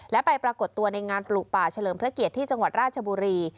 และไปปรากฏตัวในงานปลูกป่าเฉลิมพระเกียรติที่จังหวัดราชบุรี